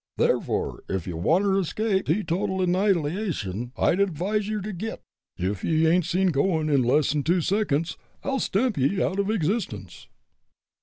Therefore, ef ye wanter escape teetotal annihilation, I'd advise ye ter git! Ef ye ain't seen goin' in less'n two seconds, I'll stamp ye out o' existence."